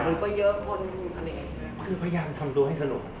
มันคือพยายามทำตัวให้สนุก